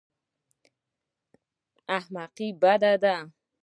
احمقي بد دی.